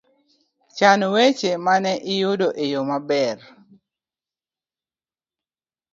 Chan weche mane iyudo e yo maber